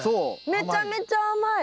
めちゃめちゃ甘い。